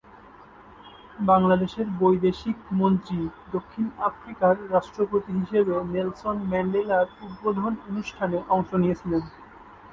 বাংলাদেশের বৈদেশিক মন্ত্রী দক্ষিণ আফ্রিকার রাষ্ট্রপতি হিসেবে নেলসন ম্যান্ডেলার উদ্বোধন অনুষ্ঠানে অংশ নিয়েছিলেন।